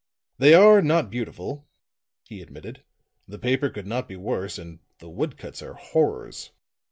"They are not beautiful," he admitted; "the paper could not be worse and the wood cuts are horrors.